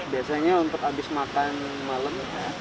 biasanya untuk habis makan malam